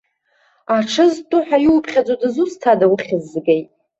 Аҽы зтәу ҳәа иуԥхьаӡо дызусҭада, уххь згеит?